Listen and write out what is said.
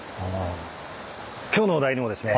今日のお題にもですね